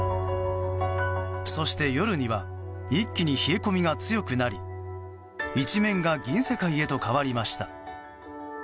そして夜には一気に冷え込みが強くなり一面が銀世界へと変わりました。